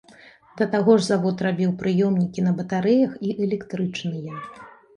Да таго ж завод рабіў прыёмнікі на батарэях і электрычныя.